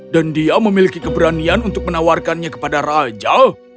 dan dia memiliki keberanian untuk menawarkannya kepada raja